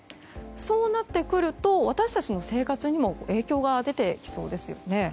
そうなってくると私たちの生活にも影響が出てきそうですよね。